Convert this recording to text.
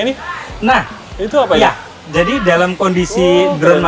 ini perangkul di sini